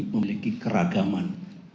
yang memiliki keragaman